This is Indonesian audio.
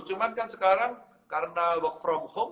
cuman kan sekarang karena work from home